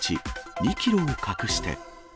２キロを隠して。